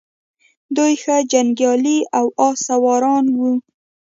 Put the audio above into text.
دوی ښه جنګیالي او آس سواران وو